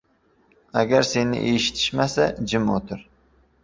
• Agar seni eshitishmasa, jim o‘tir.